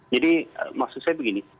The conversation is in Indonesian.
jadi maksud saya begini